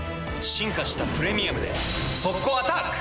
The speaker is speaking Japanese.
進化した「プレミアム」で速攻アタック！